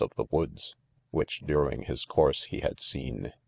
th^ wpogs, which, <teing his, course, hphaj seen.